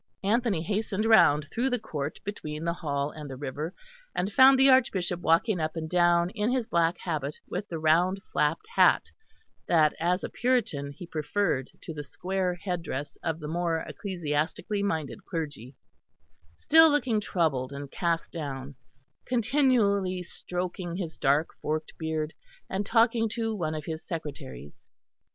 Anthony hastened round through the court between the hall and the river, and found the Archbishop walking up and down in his black habit with the round flapped cap, that, as a Puritan, he preferred to the square head dress of the more ecclesiastically minded clergy, still looking troubled and cast down, continually stroking his dark forked beard, and talking to one of his secretaries.